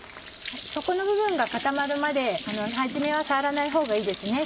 底の部分が固まるまで初めは触らないほうがいいですね